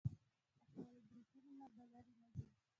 له خپلو ګروپونو نه به لرې نه ځئ.